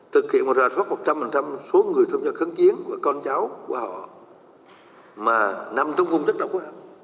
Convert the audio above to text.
thực hiện một rà soát một trăm linh số người thông gia khấn kiến và con cháu của họ mà nằm trong vùng chất độc hóa học